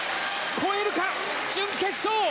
越えるか、準決勝。